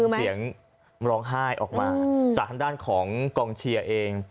เสียงร้องไห้ออกมาจากทางด้านของกองเชียร์เอง